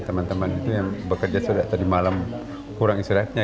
teman teman itu yang bekerja sejak tadi malam kurang istirahatnya